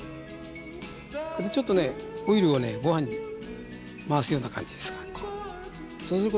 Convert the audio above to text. これでちょっとねオイルをご飯に回すような感じですかこう。